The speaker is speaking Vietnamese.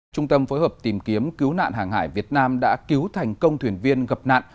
trung tâm phối hợp tìm kiếm cứu nạn hàng hải việt nam đã cứu thành công thuyền viên gặp nạn